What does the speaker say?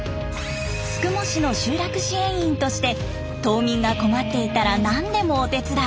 宿毛市の集落支援員として島民が困っていたら何でもお手伝い。